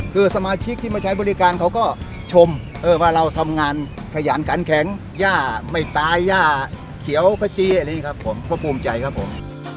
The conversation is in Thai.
คือสมาชิกที่มาใช้บริการเขาก็ชมว่าเราทำงานขยานกันแข็งย่าไม่ตายย่าเขียวพระเจียพรุ่งใจครับผม